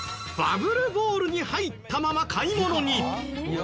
バブルボールに入ったまま買い物に。